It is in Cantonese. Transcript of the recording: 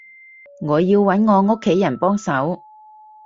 我要揾我屋企人幫手